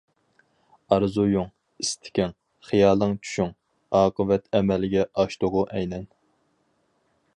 ئارزۇيۇڭ، ئىستىكىڭ، خىيالى چۈشۈڭ، ئاقىۋەت ئەمەلگە ئاشتىغۇ ئەينەن.